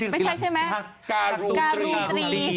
ไม่ใช่ใช่ไหมการีตรี